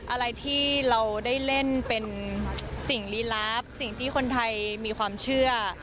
อะไรที่เราได้เล่นเป็นสิ่งลี้ลับสิ่งที่คนไทยมีความเชื่อ